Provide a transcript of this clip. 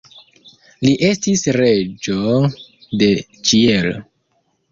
Li estis Reĝo de Ĉielo.